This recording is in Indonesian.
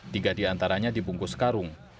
tiga di antaranya dibungkus karung